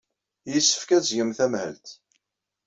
Yessefk ad tgem tamhelt.